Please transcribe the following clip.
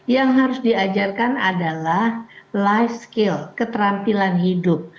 yang harus diajarkan adalah life skill keterampilan hidup